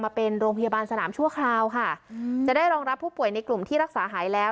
มาเป็นโรงพยาบาลสนามชั่วคราวค่ะจะได้รองรับผู้ป่วยในกลุ่มที่รักษาหายแล้ว